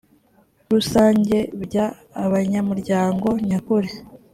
rusange bya abanyamuryango nyakuri